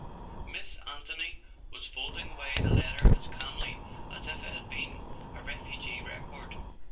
Miss Anthony was folding away the letter as calmly as if it had been a refugee record.